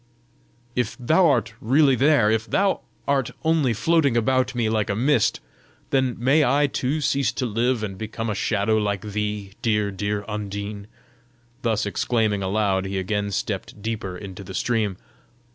"If thou art not really there, if thou art only floating about me like a mist, then may I too cease to live and become a shadow like thee, dear, dear Undine!" Thus exclaiming aloud, he again stepped deeper into the stream.